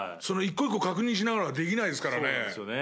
一個一個確認しながらできないですからね。